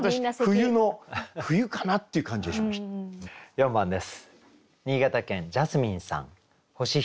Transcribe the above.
４番です。